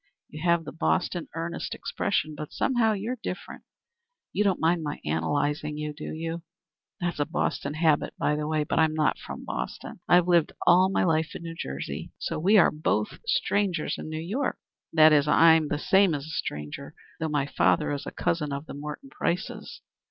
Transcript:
You have the Boston earnest expression, but somehow you're different. You don't mind my analyzing you, do you? That's a Boston habit by the way. But I'm not from Boston. I've lived all my life in New Jersey. So we are both strangers in New York. That is, I'm the same as a stranger, though my father is a cousin of the Morton Prices.